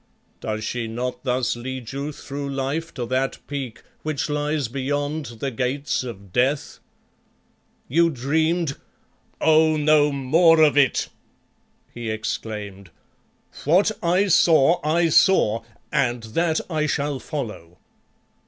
Does she not thus lead you through life to that peak which lies beyond the Gates of Death? You dreamed " "Oh! no more of it," he exclaimed. "What I saw, I saw, and that I shall follow.